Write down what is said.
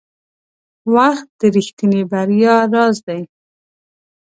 • وخت د رښتیني بریا راز دی.